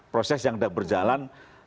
proses yang sudah berjalan